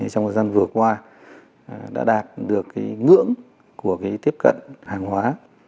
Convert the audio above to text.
trong thời gian vừa qua đã đạt được cái ngưỡng của cái tiếp cận hàng hóa